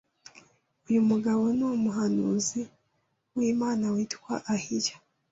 Uyu mugabo ni umuhanuzi w’Imana witwaga Ahiya